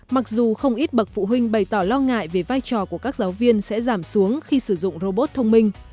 mặc dù không ít bậc phụ huynh bày tỏ lo ngại về vai trò của các giáo viên sẽ giảm xuống khi sử dụng robot thông minh